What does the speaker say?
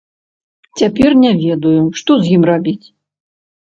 Цяпер не ведаю, што з ім рабіць.